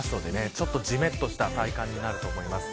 ちょっとじめっとした体感になると思います。